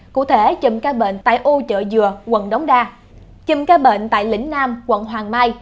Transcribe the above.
cụ thể chùm ca bệnh tại ô chợ dừa quận đống đa chùm ca bệnh tại lĩnh nam quận hoàng mai